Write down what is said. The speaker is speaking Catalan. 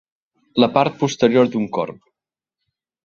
La part posterior d'un corb.